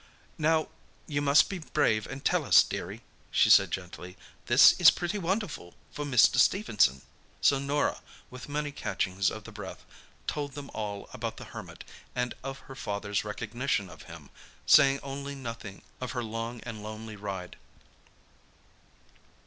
"Now, you must be brave and tell us, dearie," she said gently. "This is pretty wonderful for Mr. Stephenson." So Norah, with many catchings of the breath, told them all about the Hermit, and of her father's recognition of him, saying only nothing of her long and lonely ride.